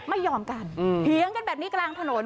ไม่ยอมกันเถียงกันแบบนี้กลางถนน